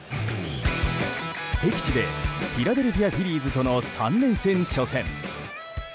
敵地でフィラデルフィア・フィリーズとの３連戦初戦。